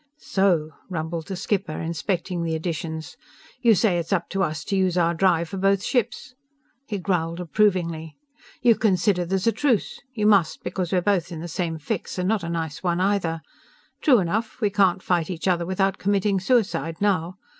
"So!" rumbled the skipper, inspecting the additions. "You say it's up to us to use our drive for both ships." He growled approvingly: "You consider there's a truce. You must, because we're both in the same fix, and not a nice one, either. True enough! We can't fight each other without committing suicide, now.